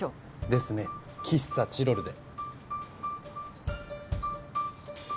ですね喫茶チロルで。